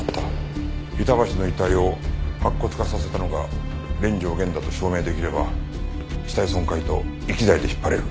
板橋の遺体を白骨化させたのが連城源だと証明できれば死体損壊と遺棄罪で引っ張れる。